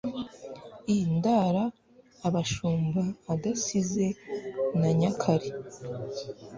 i ndara abashumba adasize na nyakare